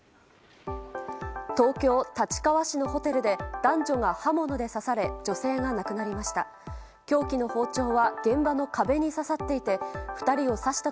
東京・立川市のホテルで男女が刃物で刺され女性が死亡しました。